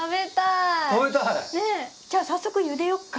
じゃあ早速ゆでよっか。